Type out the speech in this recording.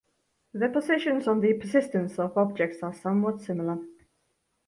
The positions on the persistence of objects are somewhat similar.